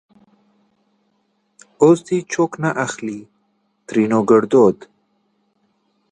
اوس دې چوک نه اخليں؛ ترينو ګړدود